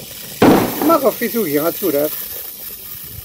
Maɣef ay tugi ad turar?